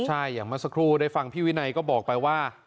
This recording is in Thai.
ใช่อย่างเมื่อสักครู่ได้ฟังพี่วินัยก็บอกไปว่า